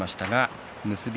結び